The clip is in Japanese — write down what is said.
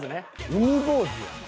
海坊主やん。